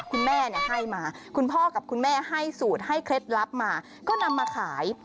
คุณแม่ให้มาคุณพ่อกับคุณแม่ให้สูตรให้เคล็ดลับมาก็นำมาขาย